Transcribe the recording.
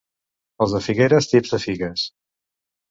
Els de Figueres, tips de figues.